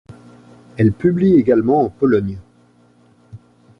Elle publie également en Pologne.